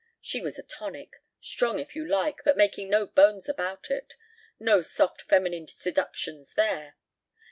She was a tonic. Strong if you like, but making no bones about it. No soft feminine seductions there.